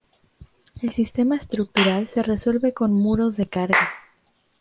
El sistema estructural se resuelve con muros de carga.